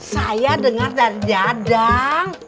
saya dengar dari dadang